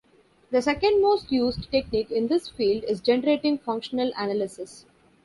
The second most used technique in this field is generating functional analysis.